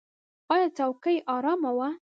ایا څوکۍ ارامه وه؟